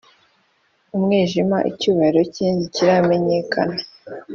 umwijima, icyubahiro cye ntikiramenyekana;